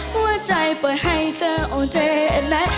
หัวใจปล่อยให้เธอโอ้เจ๊ไอ้เธอ